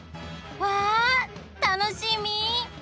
わあ楽しみ！